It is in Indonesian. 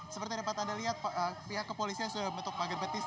seperti yang dapat anda lihat pihak kepolisian sudah membentuk pagar betis